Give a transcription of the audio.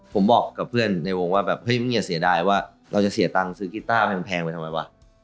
ผมบอกกับเพื่อนในวงว่าไม่อย่าเสียดายว่าเราจะเสียตังค์ซื้อกิตาร์แพงไปทำไมวะ